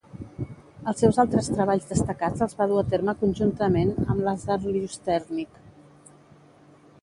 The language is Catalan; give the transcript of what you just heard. Els seus altres treballs destacats els va dur a terme conjuntament amb Lazar Lyusternik.